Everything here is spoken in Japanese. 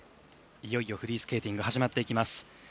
いよいよフリースケーティングが始まります。